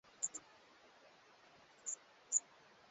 Akaangalia huku na huko hakuona silaha ya haraka ya kuitumia